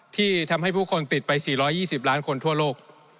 ที่ทำให้ผู้คนติดไป๔๒๐ล้านคนทั่วโลก